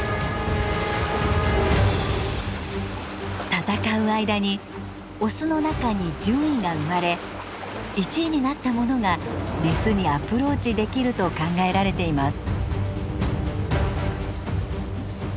戦う間にオスの中に順位が生まれ１位になったものがメスにアプローチできると考えられています。